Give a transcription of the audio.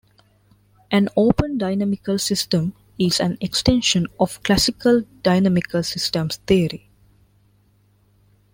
An "open dynamical system" is an extension of classical dynamical systems theory.